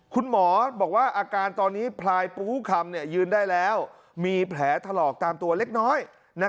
คุณหมอบอกว่าอาการตอนนี้พลายปูคำยืนได้แล้วมีแผลถลอกตามตัวเล็กน้อย